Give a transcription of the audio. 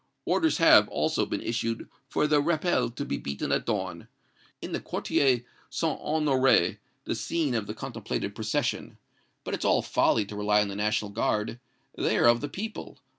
Orders have, also, been issued for the rappel to be beaten at dawn, in the Quartier St. Honoré, the scene of the contemplated procession. But it's all folly to rely on the National Guard. They are of the people.